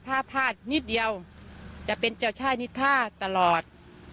ถ้าพลาดนิดเดียวจะเป็นเจ้าชายนิท่าตลอด